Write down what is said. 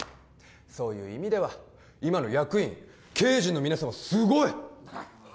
そういう意味では今の役員経営陣の皆さんはすごい！